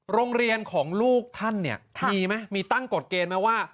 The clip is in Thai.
โรงเรียนของลูกท่านเนี่ยมีไหมมีตั้งกฎเกณฑ์ไหมว่า